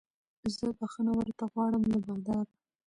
زه بخښنه ورته غواړم له باداره